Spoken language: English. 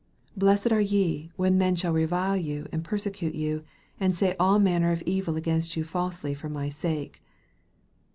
" Blessed are ye, when men shall revile you, and persecute you, and say all manner of evil against you falsely for my sake."